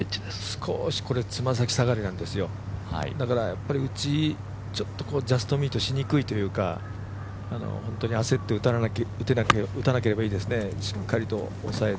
少し、爪先下がりなんですよだから、やっぱりジャストミートしにくいというか本当に焦って打たなければいいですね。